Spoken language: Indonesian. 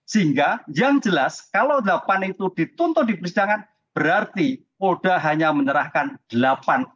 sehingga yang jelas kalau delapan itu dituntut di persidangan berarti polda hanya menyerahkan delapan orang